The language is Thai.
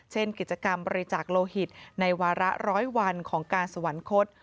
เช่นกิจกรรมบริจาคโลหิตในวาระร้อยวันของการสวรรคต